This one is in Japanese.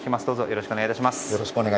どうぞよろしくお願い致します。